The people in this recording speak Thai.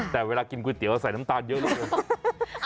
แต่เวลากินก๋วยเตี๋ยวเราใส่น้ำตาลเยอะเยอะ